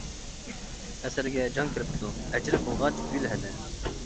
ئەسەرگە جان كىرىپتۇ، ئەجىر قىلغاچ گۈل ھەدە.